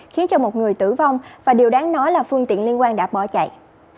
khiến cho một người tử vong và điều đáng nói là phương tiện liên quan đã bỏ chạy